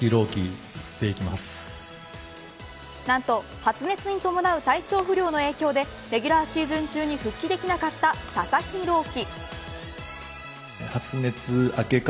なんと発熱に伴う体調不良の影響でレギュラーシーズン中に復帰できなかった佐々木朗希。